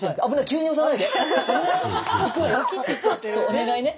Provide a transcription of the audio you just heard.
お願いね？